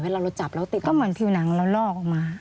ก็เหมือนผิวหนังเราลอกออกมา